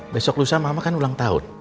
besok lusa mama kan ulang tahun